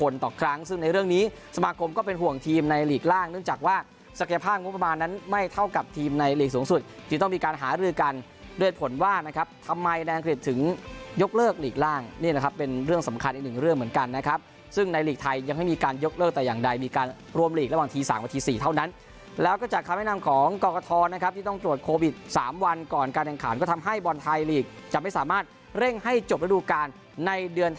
และทำไมแน่นอนเขียนถึงยกเลิกหลีกล่างนี่นะครับเป็นเรื่องสำคัญอีกหนึ่งเรื่องเหมือนกันนะครับซึ่งในหลีกไทยยังไม่มีการยกเลิกแต่อย่างใดมีการรวมหลีกระหว่างทีสามหรือทีสี่เท่านั้นแล้วก็จากคำแนะนำของกรกฐทรนะครับที่ต้องตรวจโควิดสามวันก่อนการแข่งขาวก็ทำให้บอลไทยหลีกจะไม่สามารถเร่งให้จบระ